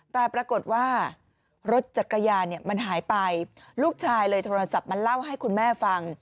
แต่ปรากฏว่ารถจักรยานมันหายไปลูกชายเลยโทรศัพท์มาเล่าให้คุณแม่ฟัง